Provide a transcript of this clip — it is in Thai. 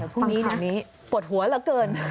พรุ่งนี้ตอนนี้ปวดหัวเหลือเกิน